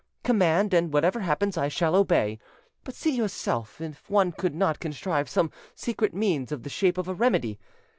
Command, and whatever happens, I shall obey. But see yourself if one could not contrive some secret means in the shape of a remedy.